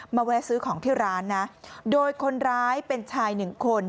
มาแวะซื้อของที่ร้านโดยคนร้ายเป็นชาย๑คน